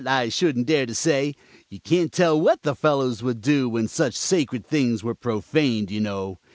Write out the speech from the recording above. I shouldn't dare to say. You can't tell what the fellows would do when such sacred things were profaned, you know.